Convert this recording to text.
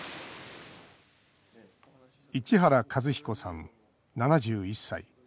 市原和彦さん、７１歳。